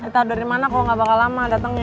eh tau dari mana kok gak bakal lama datengnya